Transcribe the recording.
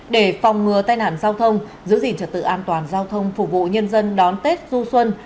để phòng ngừa tai nạn giao thông giữ gìn trật tự an toàn giao thông phục vụ nhân dân đón tết du xuân